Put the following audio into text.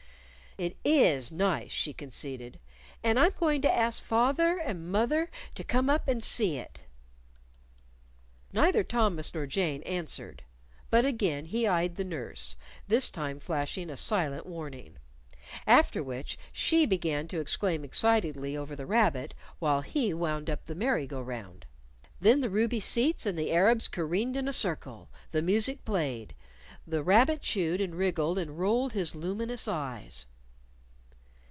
"It is nice," she conceded. "And I'm going to ask fath er and moth er to come up and see it." Neither Thomas nor Jane answered. But again he eyed the nurse, this time flashing a silent warning. After which she began to exclaim excitedly over the rabbit, while he wound up the merry go round. Then the ruby seats and the Arabs careened in a circle, the music played, the rabbit chewed and wriggled and rolled his luminous eyes.